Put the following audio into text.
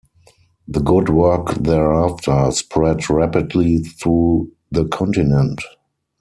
The good work thereafter spread rapidly through the continent.